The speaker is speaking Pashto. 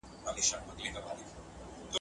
ما نن یو ډېر مهم علمي کتاب ولوست.